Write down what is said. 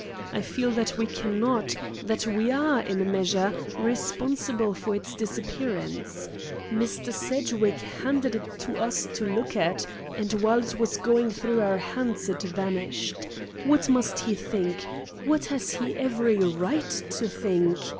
I feel that we cannot; that we are, in a measure, responsible for its disappearance. Mr. Sedgwick handed it to us to look at, and while it was going through our hands it vanished. What must he think? What has he every right to think?